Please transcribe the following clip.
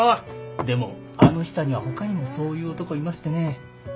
でもあのヒサにはほかにもそういう男いましてね。